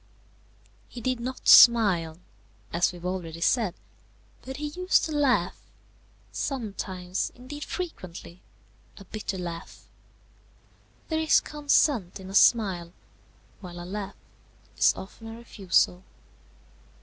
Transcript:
He did not smile, as we have already said, but he used to laugh; sometimes, indeed frequently, a bitter laugh. There is consent in a smile, while a laugh is often a refusal.